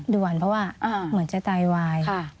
ด่วนเพราะว่าเหมือนจะตายวาย